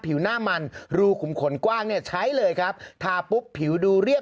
ผิวหน้ามันรูขุมขนกว้างเนี่ยใช้เลยครับทาปุ๊บผิวดูเรียบ